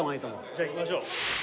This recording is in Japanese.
じゃあ行きましょう。